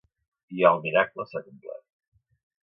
I el miracle s’ha complert.